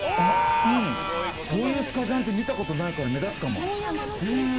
こういうスカジャンって見たことないかも。